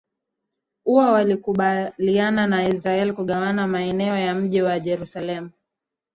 uwa walikubaliana na israel kugawana maeneo ya mji wa jerusalem